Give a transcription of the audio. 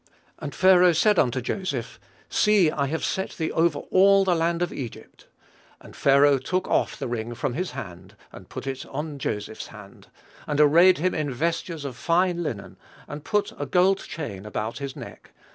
And Pharaoh said unto Joseph, See, I have set thee over all the land of Egypt. And Pharaoh took off his ring from his hand, and put it upon Joseph's hand, and arrayed him in vestures of fine linen, and put a gold chain about his neck.